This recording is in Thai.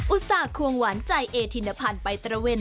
อุตส่าห์ควงหวานใจเอธินภัณฑ์ไปตระเวน